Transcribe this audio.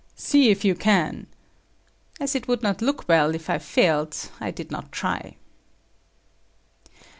"See if you can." As it would not look well if I failed, I did not try.